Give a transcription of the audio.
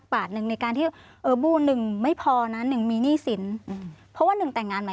ว่าอะไรคะ